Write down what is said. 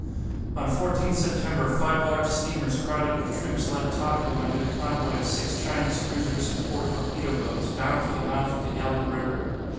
On 14 September five large steamers crowded with troops left Taku under the convoy of six Chinese cruisers and four torpedo boats, bound for the mouth of the Yalu River.